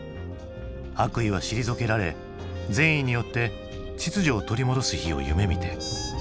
悪意は退けられ善意によって秩序を取り戻す日を夢みて。